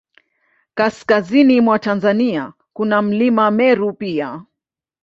Kaskazini mwa Tanzania, kuna Mlima Meru pia.